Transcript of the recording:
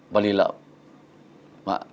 và lì lợm